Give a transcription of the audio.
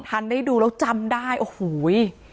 ทันได้ดูแล้วจำได้โอ้โห